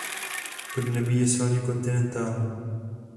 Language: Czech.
Podnebí je silně kontinentální.